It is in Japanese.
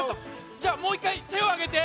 じゃあもういっかいてをあげて。